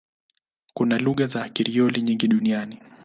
Kuna lugha za Krioli nyingi duniani.